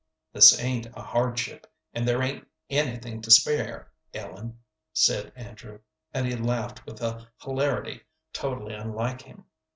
"This ain't a hardship, and there ain't anything to spare, Ellen," said Andrew; and he laughed with a hilarity totally unlike him.